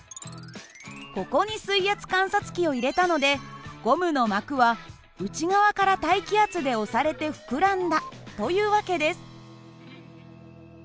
ここに水圧観察器を入れたのでゴムの膜は内側から大気圧で押されて膨らんだという訳です。